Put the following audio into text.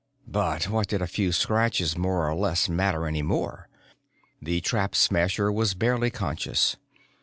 But what did a few scratches more or less matter any more? The Trap Smasher was barely conscious.